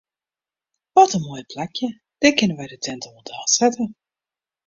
Wat in moai plakje, dêr kinne wy de tinte wol delsette.